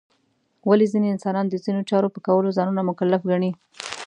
ولې ځینې انسانان د ځینو چارو په کولو ځانونه مکلف ګڼي؟